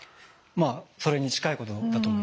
まあそれに近いことだと思います。